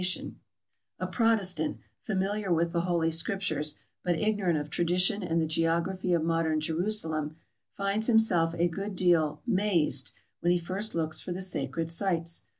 328 TRAVELERS AND EXPLORERS A Protestant, familiar with the Holy Scriptures, but ignorant of tradition and the geography of modern Jerusalem, finds himself a good deal '' mazed '' when he first looks for the sacred sites.